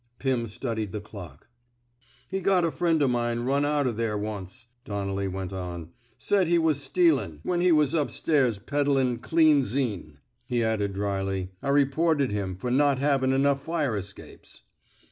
Pirn studied the clock. He got a friend o' mine run out o' there once," Donnelly went on. Said he was stealin', when he was up stairs peddlin' *Cleansine'." He added, drily: I reported him for not havin' enough fire escapes."